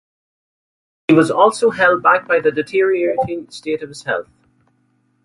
He was also held back by the deteriorating state of his health.